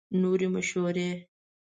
نورې مشورې